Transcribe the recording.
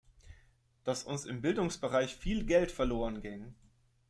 Dass uns im Bildungsbereich viel Geld verloren ging.